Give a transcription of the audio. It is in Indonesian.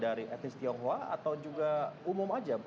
dari etnis tionghoa atau juga umum aja